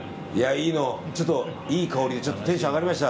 いい香りでテンション上がりました。